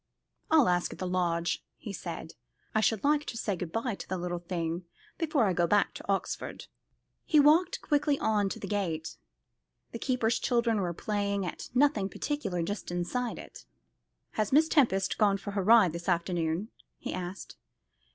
"I'll ask at the lodge," he said; "I should like to say good bye to the little thing before I go back to Oxford." He walked quickly on to the gate. The keeper's children were playing at nothing particular just inside it. "Has Miss Tempest gone for her ride this afternoon?" he asked.